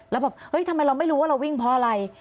แล้วแบบเฮ้ยทำไมเราไม่รู้ว่าเราวิ่งเพราะอะไร